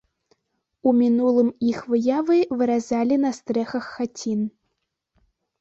У мінулым іх выявы выразалі на стрэхах хацін.